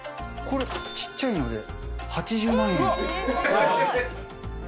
これちっちゃいので８０万円。